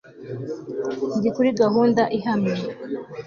Ndi kuri gahunda ihamye